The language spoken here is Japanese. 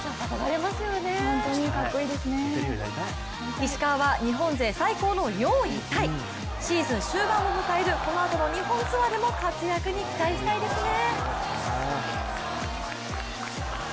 石川は日本勢最高の４位タイシーズン終盤を迎えるこのあとの日本ツアーでも活躍に期待したいですね。